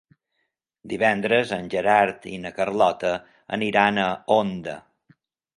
Divendres en Gerard i na Carlota aniran a Onda.